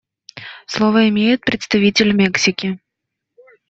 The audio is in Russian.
Слово имеет представитель Мексики.